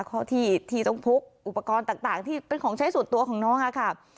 ข้อที่ต้องพกอุปกรณ์ต่างที่เป็นของใช้ส่วนตัวของน้องค่ะ